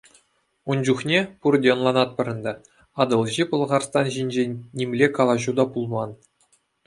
Ун чухне, пурте ӑнланатпӑр ӗнтӗ, Атӑлҫи Пӑлхарстан ҫинчен нимле калаҫу та пулман.